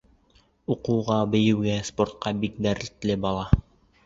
Уҡыуға, бейеүгә, спортҡа бик дәртле бала.